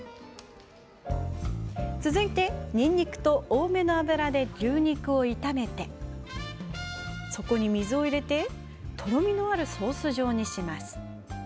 続いて、にんにくと多めの油で牛肉を炒めてそこに水を入れてとろみのあるソース状に。